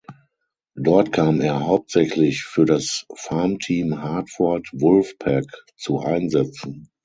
Dort kam er hauptsächlich für das Farmteam Hartford Wolf Pack zu Einsätzen.